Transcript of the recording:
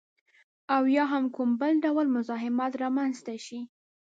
او یا هم کوم بل ډول مزاحمت رامنځته شي